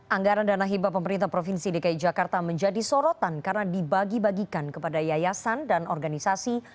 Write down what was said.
anggaran dana hibah pemerintah provinsi dki jakarta menjadi sorotan karena dibagi bagikan kepada yayasan dan organisasi